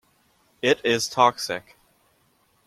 It is toxic.